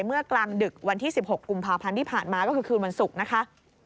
เมื่อกลางดึกวันที่๑๖กุมภาพันธ์ที่ผ่านมาก็คือคืนวันศุกร์นะคะ